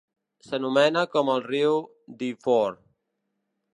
S'anomena com el riu Dwyfor.